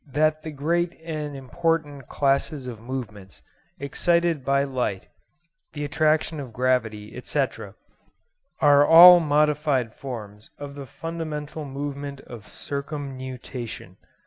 that the great and important classes of movements, excited by light, the attraction of gravity, etc., are all modified forms of the fundamental movement of circumnutation.